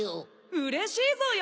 うれしいぞよ！